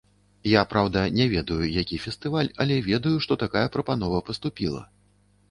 Я, праўда, не ведаю, які фестываль, але ведаю, што такая прапанова паступіла.